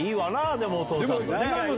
でもお父さんと。